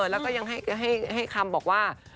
แล้วก็ยังให้คำบอกว่า